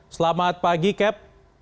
selamat pagi cap